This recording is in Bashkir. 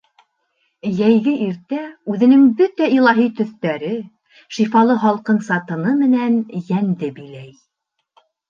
Йәйге иртә үҙенең бөтә илаһи төҫтәре, шифалы һалҡынса тыны менән йәнде биләй.